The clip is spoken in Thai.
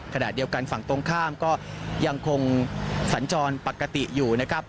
ขณะเดียวกันฝั่งตรงข้ามก็ยังคงสัญจรปกติอยู่นะครับ